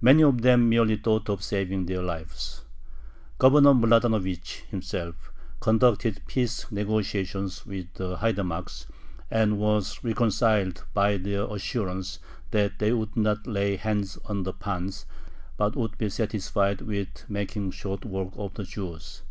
Many of them merely thought of saving their lives. Governor Mladanovich himself conducted peace negotiations with the haidamacks, and was reconciled by their assurances that they would not lay hands on the pans, but would be satisfied with making short work of the Jews.